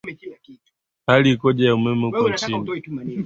hali ikoje lakini pia kuangalia katika